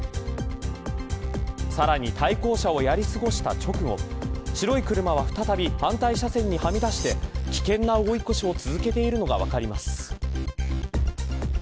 さらに対向車をやり過ごした直後白い車は再び反対車線にはみ出して危険な追い越しを続けているのが分かります。